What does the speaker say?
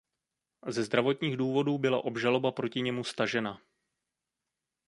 Ze zdravotních důvodů byla obžaloba proti němu stažena.